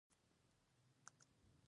بوټونه د پښو آرامتیا لپاره اړین دي.